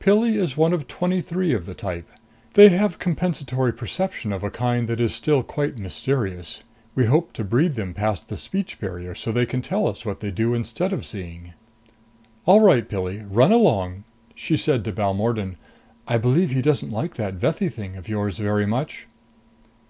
Pilli is one of twenty three of the type. They have compensatory perception of a kind that is still quite mysterious. We hope to breed them past the speech barrier so they can tell us what they do instead of seeing.... All right, Pilli. Run along!" She said to Balmordan, "I believe he doesn't like that Vethi thing of yours very much."